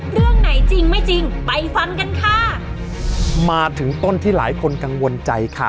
เรื่องไหนจริงไม่จริงไปฟังกันค่ะมาถึงต้นที่หลายคนกังวลใจค่ะ